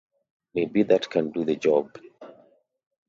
Maybe that can do the job.